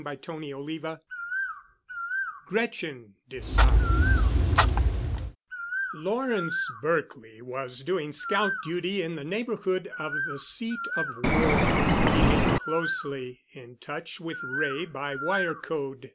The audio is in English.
*CHAPTER XXIV* *GRETCHEN DECIDES* Lawrence Berkely was doing scout duty in the neighborhood of the seat of war, keeping closely in touch with Wray by wire code.